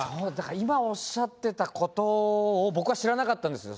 今おっしゃってた事を僕は知らなかったんですよ。